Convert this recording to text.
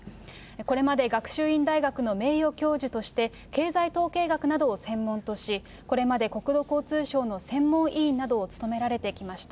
これまで学習院大学の名誉教授として、経済統計学などを専門とし、これまで国土交通省の専門委員などを務められてきました。